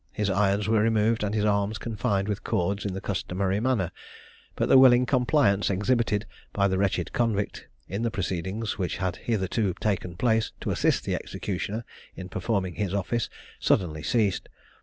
His irons were removed, and his arms confined with cords in the customary manner, but the willing compliance exhibited by the wretched convict in the proceedings which had hitherto taken place, to assist the executioner in performing his office, suddenly ceased.